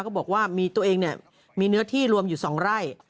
บอกว่ามีตัวเองมีเนื้อที่รวมอยู่๒ไร่